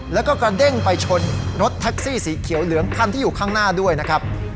แล้วก็กระเด้งไปชนรถแท็กซี่สีเขียวเหลืองคันที่อยู่ข้างหน้าด้วยนะครับ